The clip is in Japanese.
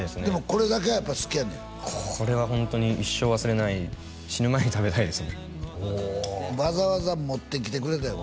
これだけは好きやねんこれはホントに一生忘れない死ぬ前に食べたいですねわざわざ持ってきてくれたよ